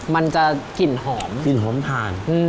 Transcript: มันจะกลิ่นหอมกลิ่นหอมทาน